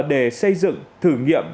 để xây dựng thử nghiệm